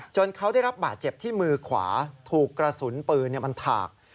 เขาได้รับบาดเจ็บที่มือขวาถูกกระสุนปืนมันถาก